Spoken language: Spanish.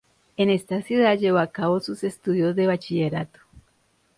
En esta ciudad llevó a cabo sus estudios de bachillerato.